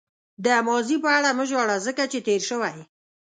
د ماضي په اړه مه ژاړه ځکه چې تېر شوی.